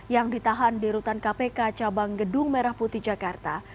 yang ditahan di rutan kpk cabang gedung merah putih jakarta